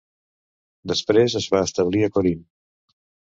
Després es va establir a Corint.